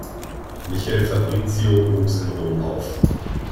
Michel Fabrizio wuchs in Rom auf.